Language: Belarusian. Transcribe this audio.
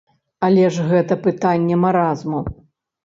Але ж гэта пытанне маразму.